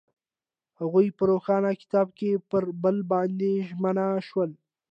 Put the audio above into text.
هغوی په روښانه کتاب کې پر بل باندې ژمن شول.